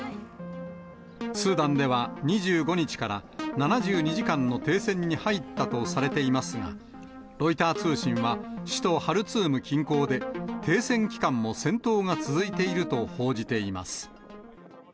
スーダンでは２５日から、７２時間の停戦に入ったとされていますが、ロイター通信は首都ハルツーム近郊で、停戦期間も戦闘が続いていると報じています。